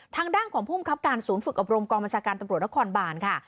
ทางด้านของภูมิครับการศูนย์ฝึกอบรมกองบัญชาการตำรวจนครบานค่ะ